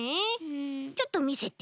ちょっとみせて。